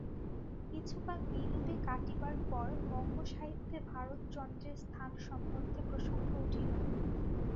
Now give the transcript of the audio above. কিছুকাল এইরূপে কাটিবার পর বঙ্গসাহিত্যে ভারতচন্দ্রের স্থান সম্বন্ধে প্রসঙ্গ উঠিল।